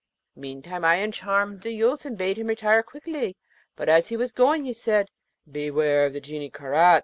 Meantime, I uncharmed the youth and bade him retire quickly; but as he was going, he said, 'Beware of the Genie Karaz!'